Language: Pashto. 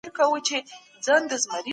که ډاکټر نه وای راغلی ناروغ به مړ وای.